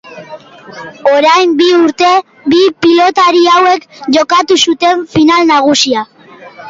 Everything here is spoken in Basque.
Orain bi urte bi pilotari hauek jokatu zuten final nagusia.